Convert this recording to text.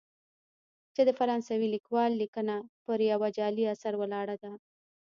چې د فرانسوي لیکوال لیکنه پر یوه جعلي اثر ولاړه ده.